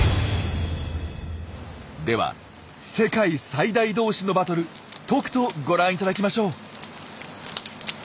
では世界最大同士のバトルとくとご覧いただきましょう！